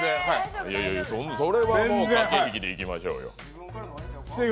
それはもう駆け引きでいきましょうよ。